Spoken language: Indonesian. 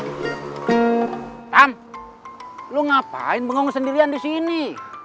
rustam lu ngapain bengong sendirian disini